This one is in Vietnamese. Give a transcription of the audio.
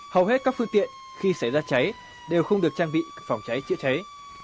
hầu hết các phương tiện khi xảy ra cháy đều không được trang bị phòng cháy chữa cháy